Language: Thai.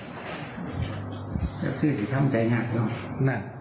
อยากซื้อสิทธิ์ทำใจงานหรือเปล่า